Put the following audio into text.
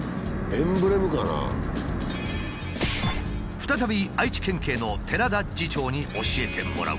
再び愛知県警の寺田次長に教えてもらう。